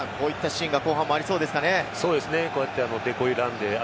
こういったシーンが後半もありそうですかね。